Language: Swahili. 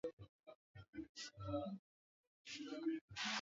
Machungwa yameiva.